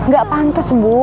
gak pantes bu